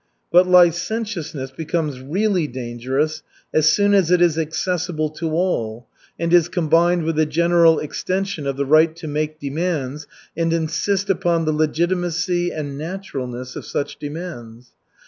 But licentiousness becomes really dangerous as soon as it is accessible to all and is combined with the general extension of the right to make demands and insist upon the legitimacy and naturalness of such demands.